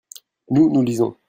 nous, nous lisons.